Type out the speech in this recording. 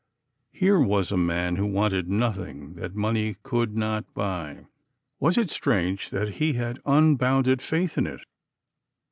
Here was a man who wanted nothing that money could not buy: was it strange that he had unbounded faith in it?